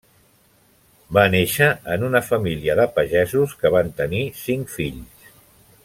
Va néixer en una família de pagesos, que van tenir cinc fills.